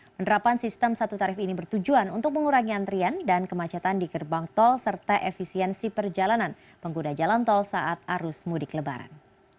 penerapan sistem satu tarif ini bertujuan untuk mengurangi antrian dan kemacetan di gerbang tol serta efisiensi perjalanan pengguna jalan tol saat arus mudik lebaran